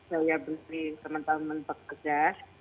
saya benci teman teman pekerja